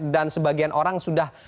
dan sebagian orang sudah